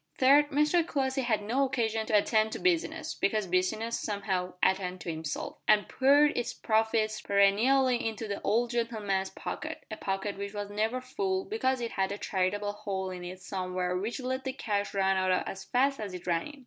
Third, Mr Crossley had no occasion to attend to business, because business, somehow, attended to itself, and poured its profits perennially into the old gentleman's pocket a pocket which was never full, because it had a charitable hole in it somewhere which let the cash run out as fast as it ran in.